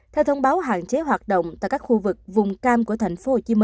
theo thông báo hạn chế hoạt động tại các khu vực vùng cam của tp hcm